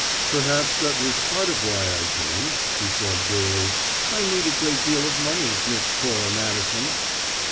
"Perhaps that was part of why I came," he said, gayly. "I need a great deal of money, Miss Cora Madison."